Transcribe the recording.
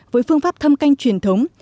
với phương pháp thâm canh truyền thống